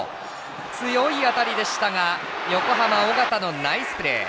強い当たりでしたが横浜、緒方のナイスプレー。